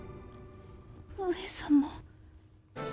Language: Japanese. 上様。